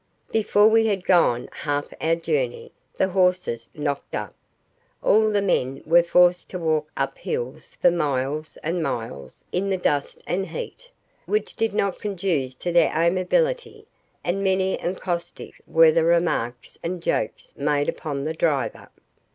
Before we had gone half our journey the horses knocked up. All the men were forced to walk up hills for miles and miles in the dust and heat, which did not conduce to their amiability, and many and caustic were the remarks and jokes made upon the driver.